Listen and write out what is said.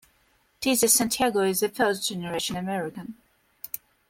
Tessie Santiago is a first generation American.